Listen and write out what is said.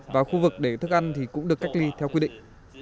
và khu vực để thức ăn thì cũng được cách ly theo quy định